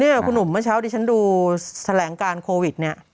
นี่คุณหนุ่มเมื่อเช้าที่ฉันดูแถลงการโควิดเนี่ย